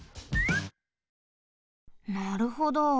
なるほど。